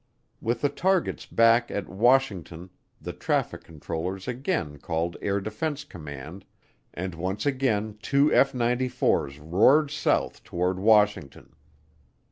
With the targets back at Washington the traffic controller again called Air Defense Command, and once again two F 94's roared south toward Washington.